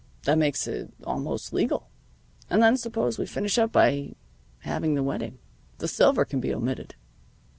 That makes it almost legal. And then suppose we finish up by having the wedding. The silver can be omitted."